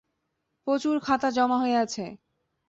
প্রচুর খাতা জমা হয়ে আছে।